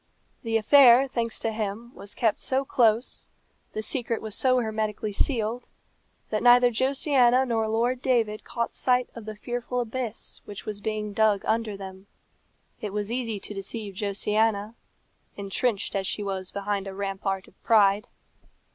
The affair, thanks to him, was kept so close, the secret was so hermetically sealed, that neither Josiana nor Lord David caught sight of the fearful abyss which was being dug under them. It was easy to deceive Josiana, entrenched as she was behind a rampart of pride.